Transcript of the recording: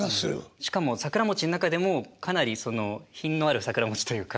しかも桜餅の中でもかなりその品のある桜餅というか。